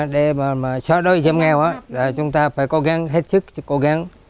để mà xóa đôi giảm nghèo chúng ta phải cố gắng hết sức cố gắng